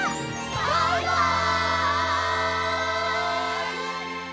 バイバイ！